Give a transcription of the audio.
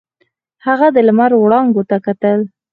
هغه د لمر وړانګو ته کتل.